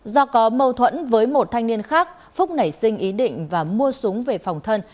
do có mâu thuẫn với một thanh niên khác phúc nảy sinh ý định và mua súng về phòng thân